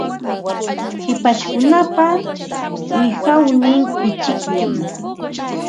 Hipashkunapa wiqawnin ichikllam.